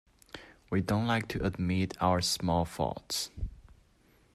We don't like to admit our small faults.